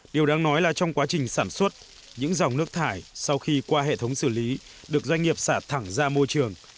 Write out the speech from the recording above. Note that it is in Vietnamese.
điều đáng nói là trong quá trình sản xuất những dòng nước thải sau khi qua hệ thống xử lý được doanh nghiệp xả thẳng ra môi trường